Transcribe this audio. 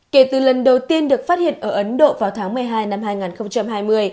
kể từ lần đầu tiên được phát hiện ở ấn độ vào tháng một mươi hai năm hai nghìn hai mươi